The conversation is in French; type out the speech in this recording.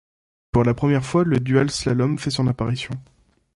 Pour la première fois, le dual slalom fait son apparition.